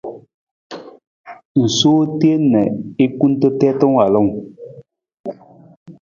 I sowa teen na i kunta tiita waalung.